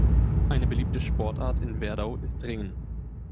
Eine beliebte Sportart in Werdau ist Ringen.